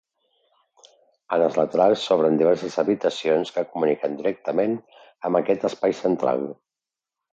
En els laterals s’obren diverses habitacions que comuniquen directament amb aquest espai central.